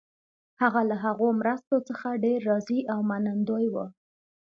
هغه له هغو مرستو څخه ډېر راضي او منندوی وو.